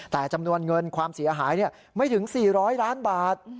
แต่จำนวนเงินความเสียหายไม่ถึง๔๐๐ล้านบาท